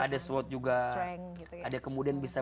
ada swot juga ada kemudian bisa